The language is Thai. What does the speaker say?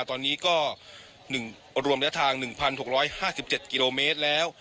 ตอนนี้ก็หนึ่งรวมระยะทางหนึ่งพันหกร้อยห้าสิบเจ็ดกิโลเมตรแล้ว